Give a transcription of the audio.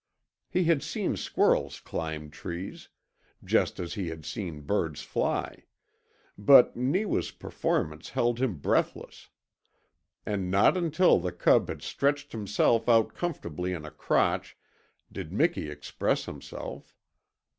He had seen squirrels climb trees just as he had seen birds fly but Neewa's performance held him breathless; and not until the cub had stretched himself out comfortably in a crotch did Miki express himself.